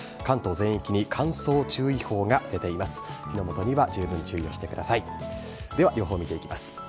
関東全域に乾燥注意報が出ています。